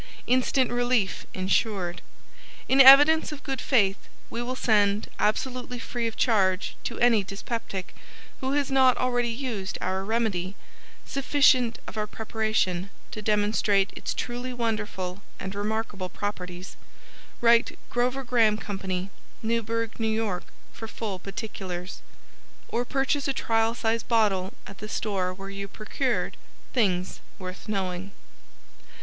Instant relief insured. In evidence of good faith we will send, absolutely free of charge to any dyspeptic who has not already used our remedy, sufficient of our preparation to demonstrate its truly wonderful and remarkable properties, Write Grover Graham Co., Newburgh, N. Y., for full particulars, or purchase a trial size bottle at the store where you procured "Things Worth Knowing."